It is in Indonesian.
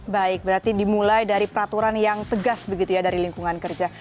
baik berarti dimulai dari peraturan yang tegas begitu ya dari lingkungan kerja